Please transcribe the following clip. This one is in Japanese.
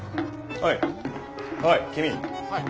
はい。